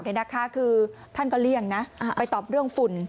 คือท่านก็เลี่ยงนะไปตอบเรื่องฝุ่น